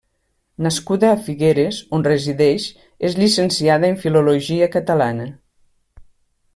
Nascuda a Figueres, on resideix, és llicenciada en Filologia Catalana.